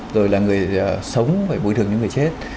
rồi là người sống phải bồi thường những người chết